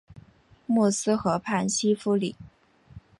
默斯河畔西夫里。